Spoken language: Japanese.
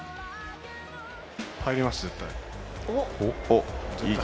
入ります、絶対。